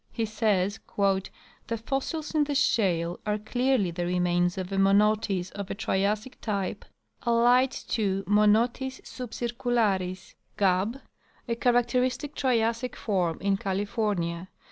He says :" The fossils in the shale are clearly the remains of a Monotis of a Triassic type, allied to M. suhcircularis, Gabb, a char acteristic Triassic form in California.